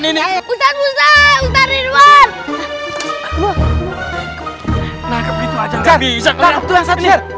nangkep gitu aja gak bisa